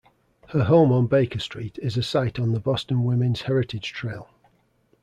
Her home on Baker Street is a site on the Boston Women's Heritage Trail.